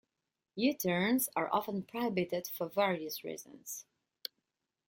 U-turns are often prohibited for various reasons.